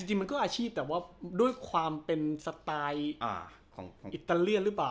จริงมันก็อาชีพแต่ว่าด้วยความเป็นสไตล์ของอิตาเลียนหรือเปล่า